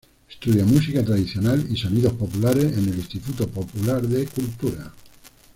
Estudia música tradicional y sonidos populares en el Instituto Popular de Cultura.